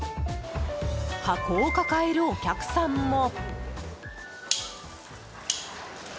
箱を抱えるお客さんも。